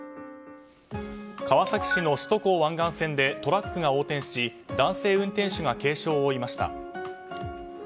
川崎市の首都高湾岸線でトラックが横転し男性運転手が軽傷を負いました。